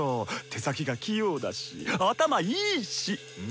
手先が器用だし頭いいし。